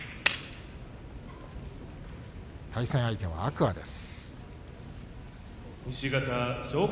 対戦相手は天空海です。